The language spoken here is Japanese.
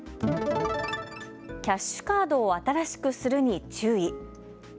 キャッシュカードを新しくするに注意。